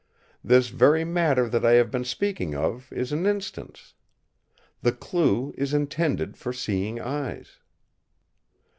This very matter that I have been speaking of is an instance. The clue is intended for seeing eyes!"